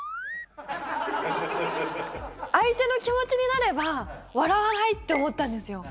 相手の気持ちになれば、笑わないと思ったんですよ。